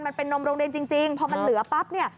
มันเป็นนมโรงเรียนจริงพอมันเหลือปั๊บเนี่ย